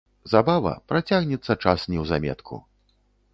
Забава, працягнецца час неўзаметку.